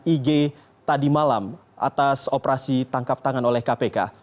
ig tadi malam atas operasi tangkap tangan oleh kpk